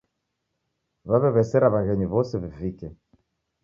W'aw'ew'esera w'aghenyi w'ose w'ivike